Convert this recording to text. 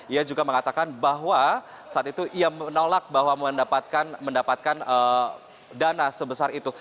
ia juga mengatakan bahwa saat itu ia menolak bahwa mendapatkan dana sebesar itu